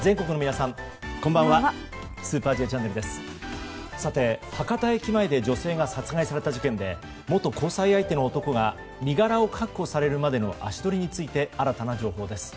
さて、博多駅前で女性が殺害された事件で元交際相手の男が身柄を確保されるまでの足取りについて新たな情報です。